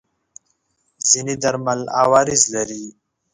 ځینې درمل عوارض لري.